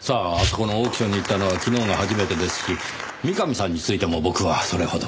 このオークションに行ったのは昨日が初めてですし三上さんについても僕はそれほど。